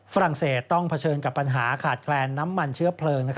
ฝรั่งเศสต้องเผชิญกับปัญหาขาดแคลนน้ำมันเชื้อเพลิง